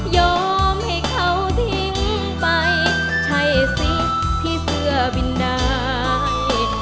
ยอมให้เขาทิ้งไปใช่ซิที่เสื้อไปนาย